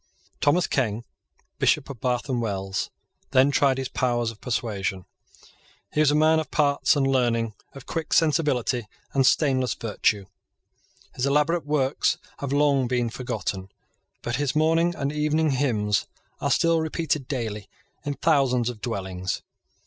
Thomas Ken, Bishop of Bath and Wells, then tried his powers of persuasion. He was a man of parts and learning, of quick sensibility and stainless virtue. His elaborate works have long been forgotten; but his morning and evening hymns are still repeated daily in thousands of dwellings.